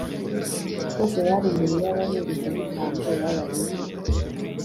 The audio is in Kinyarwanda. bose bari imbere y'abaherezabitambo b'abalevi